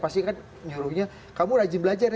pasti kan nyuruhnya kamu rajin belajar